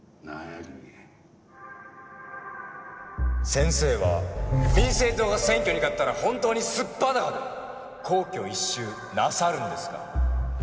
先生は民政党が選挙に勝ったら本当に素っ裸で皇居１周なさるんですか？